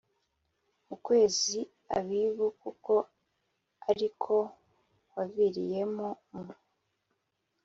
mu kwezi Abibu kuko ari ko waviriyemo mu